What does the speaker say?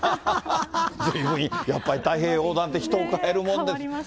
ずいぶんやっぱり、太平洋横断って人を変えるもんです。